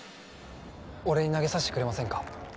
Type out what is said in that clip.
俺に投げさせてくれませんか？